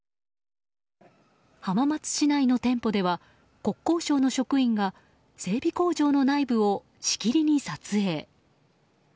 浜松市内の店舗では国交省の職員が整備工場の内部をしきりに撮影。